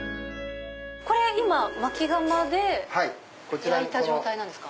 これ今薪窯で焼いた状態なんですか？